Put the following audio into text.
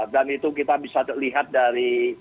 dan itu kita bisa lihat dari